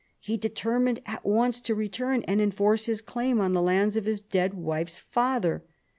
He determined at once to return and enforce his claim on the lands of his dead wife's father.